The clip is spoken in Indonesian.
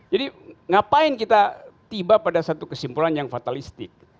jadi ngapain kita tiba pada satu kesimpulan yang fatalistik